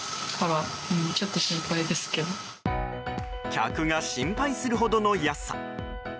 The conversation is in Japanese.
客が心配するほどの安さ。